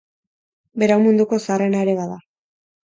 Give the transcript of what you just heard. Berau munduko zaharrena ere da.